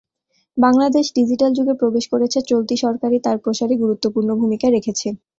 Bangladesh digital যুগে প্রবেশ করেছে, চলতি সরকারই তার প্রসারে গুরুত্বপূর্ণ ভূমিকা রেখেছে।